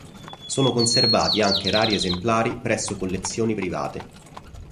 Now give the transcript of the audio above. Sono conservati anche rari esemplari presso collezioni private.